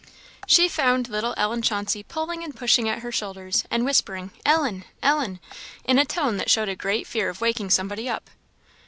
She found little Ellen Chauncey pulling and pushing at her shoulders, and whispering "Ellen! Ellen!" in a tone that showed a great fear of waking somebody up.